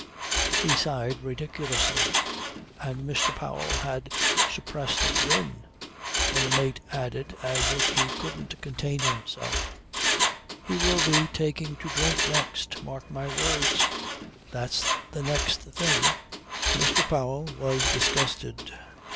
He sighed ridiculously and Mr. Powell had suppressed a grin, when the mate added as if he couldn't contain himself: "He will be taking to drink next. Mark my words. That's the next thing." Mr. Powell was disgusted.